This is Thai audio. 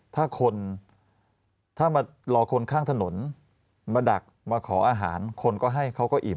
ถ้าคนถ้ามารอคนข้างถนนมาดักมาขออาหารคนก็ให้เขาก็อิ่ม